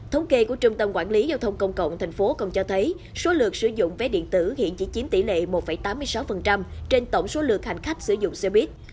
thống kê của trung tâm quản lý giao thông công cộng tp hcm cho thấy số lượt sử dụng vé điện tử hiện chỉ chiếm tỷ lệ một tám mươi sáu trên tổng số lượt hành khách sử dụng xe buýt